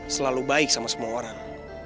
selalu baik sama semua orang